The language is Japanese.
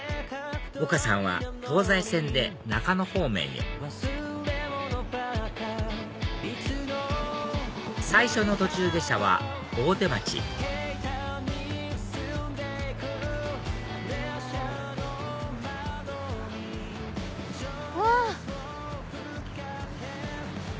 丘さんは東西線で中野方面へ最初の途中下車は大手町うわ！